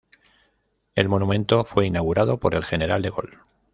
El monumento fue inaugurado por el General De Gaulle.